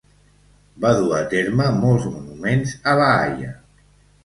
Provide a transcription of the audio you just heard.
Va dur a terme molts monuments a La Haia.